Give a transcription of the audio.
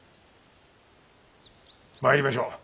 参りましょう。